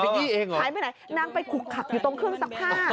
เป็นพี่อี้เองเหรอหายไปไหนนั่งไปขุกขักอยู่ตรงเครื่องซักผ้า